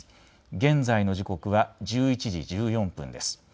現在の時刻は１１時１４分です。